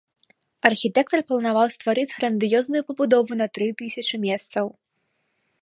Архітэктар планаваў стварыць грандыёзную пабудову на тры тысячы месцаў.